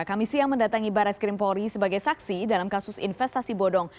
kami siang mendatangi barat skrimpori sebagai saksi dalam kasus investasi bodong